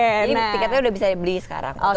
jadi tiketnya udah bisa dibeli sekarang